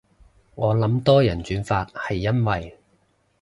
我諗多人轉發係因為